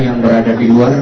yang berada di luar